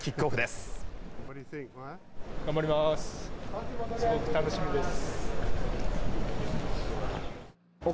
すごく楽しみです。